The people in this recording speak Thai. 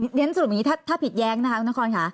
สรุปอย่างนี้ถ้าผิดแย้งคุณท่านคลอนค่ะ